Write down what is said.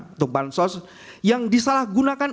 untuk bansos yang disalahgunakan